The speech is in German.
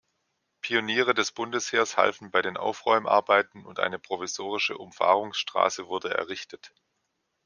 Pioniere des Bundesheers halfen bei den Aufräumarbeiten und eine provisorische Umfahrungsstraße wurde errichtet.